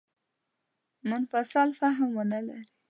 منفصل فهم ونه لري.